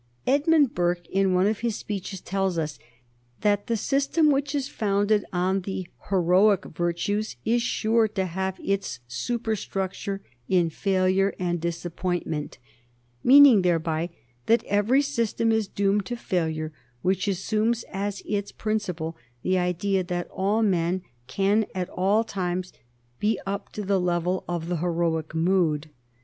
Edmund Burke in one of his speeches tells us that the system which is founded on the heroic virtues is sure to have its superstructure in failure and disappointment, meaning thereby that every system is doomed to failure which assumes as its principle the idea that all men can at all times be up to the level of the heroic mood.